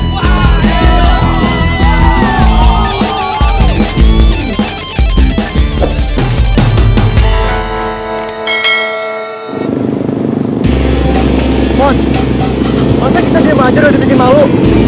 mon masa kita diam aja udah di bikin malu